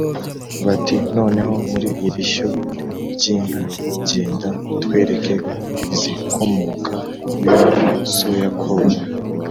bati: "Noneho muri iri shyo ry'inka, genda utwereke izikomoka ku yo so yakoye.